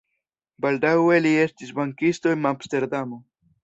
Baldaŭe li estis bankisto en Amsterdamo.